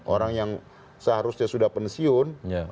orang yang seharusnya sudah pensiun